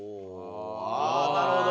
ああーなるほど！